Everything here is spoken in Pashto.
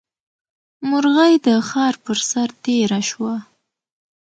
مرغۍ د ښار پر سر تېره شوه.